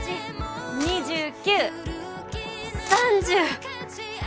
２９３０！